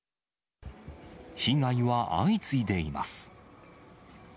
被害は相次いでいます。